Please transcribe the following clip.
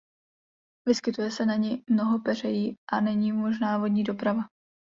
Vyskytuje se na ní mnoho peřejí a není možná vodní doprava.